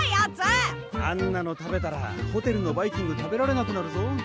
あんなの食べたらホテルのバイキング食べられなくなるぞ。